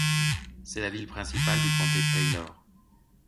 C'est la ville principale du comté de Taylor.